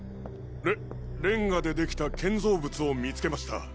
レレンガで出来た建造物を見つけました！